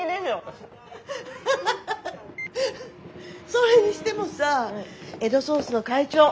それにしてもさ江戸ソースの会長